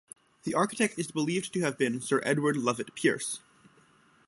The architect is believed to have been Sir Edward Lovett Pearce.